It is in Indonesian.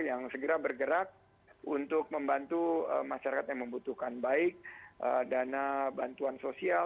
yang segera bergerak untuk membantu masyarakat yang membutuhkan baik dana bantuan sosial